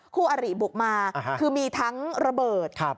คู่อริบุกมาคือมีทั้งระเบิด